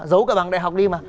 giấu cả bằng đại học đi mà